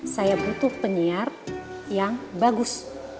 saya butuh penyiar yang bagus